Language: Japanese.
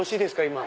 今。